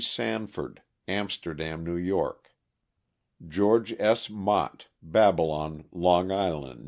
Sanford, Amsterdam, K Y.; George S. Mott, Babylon, Long Island, N.